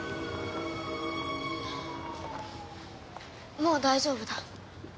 もう大丈夫だ。